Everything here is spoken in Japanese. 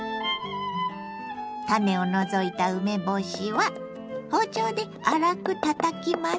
種を除いた梅干しは包丁で粗くたたきます。